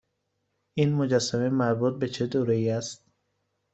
این مجسمه مربوط به چه دوره ای است؟